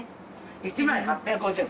１枚８５０円。